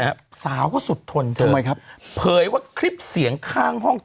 แล้วสาวก็สูตรทนชัยทำไมครับเผยว่าคลิปเสียงคลางห้อง